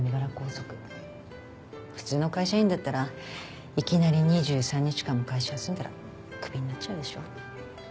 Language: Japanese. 普通の会社員だったらいきなり２３日間も会社休んだらクビになっちゃうでしょ？